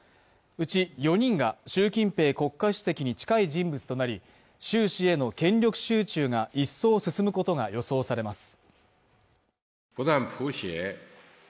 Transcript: うち４人が習近平国家主席に近い人物となり、習氏への権力集中が一層進むことが予想されます。